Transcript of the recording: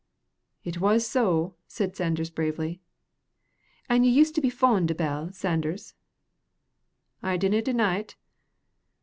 "It was so," said Sanders, bravely. "An' ye used to be fond o' Bell, Sanders." "I dinna deny't."